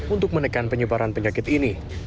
untuk menekan penyebaran penyakit ini